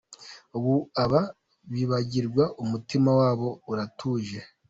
Ubu aba bibagirwa umutima wabo uratuje ?